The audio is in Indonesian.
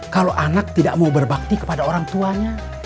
kalau anak tidak mau berbakti kepada orang tuanya